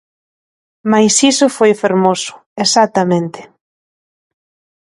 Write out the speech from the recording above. Mais iso foi fermoso, exactamente.